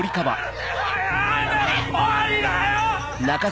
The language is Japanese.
終わりだよ！